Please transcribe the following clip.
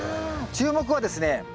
注目はですね